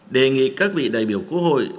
đề nghị các vị đại biểu quốc hội